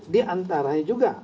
di antaranya juga